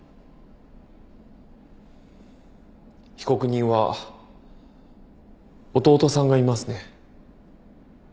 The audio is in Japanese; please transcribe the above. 被告人は弟さんがいますね。